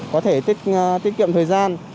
có thể tiết kiệm thời gian